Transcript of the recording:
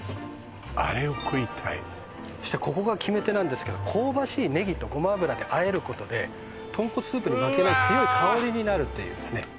あれを食いたいそしてここが決め手なんですけど香ばしいねぎとごま油で和えることで豚骨スープに負けない強い香りになるというですね